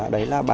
đấy là bà